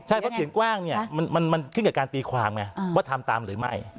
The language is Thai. ใช่เพราะเสียงกว้างเนี่ยมันขึ้นกับการตีความไงว่าทำตามหรือไม่